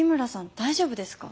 大丈夫ですか？